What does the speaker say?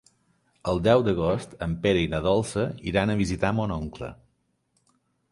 El deu d'agost en Pere i na Dolça iran a visitar mon oncle.